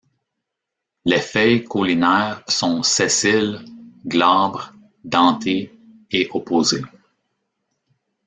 Les feuilles caulinaires sont sessiles, glabres, dentées et opposées.